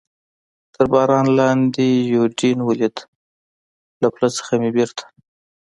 تر باران لاندې یوډین ولید، له پله څخه مې بېرته.